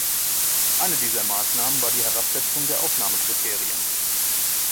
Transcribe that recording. Eine dieser Maßnahmen war die Herabsetzung der Aufnahmekriterien.